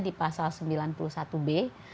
itu sanksi hukumnya di pasal sembilan puluh satu b